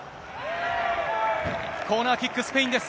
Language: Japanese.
コーナーキック、スペインです。